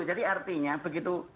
jadi artinya begitu